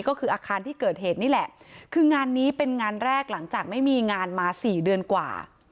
ก็คืออาคารที่เกิดเหตุนี่แหละคืองานนี้เป็นงานแรกหลังจากไม่มีงานมาสี่เดือนกว่า